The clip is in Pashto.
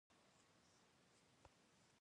چې قواعد جوړوي.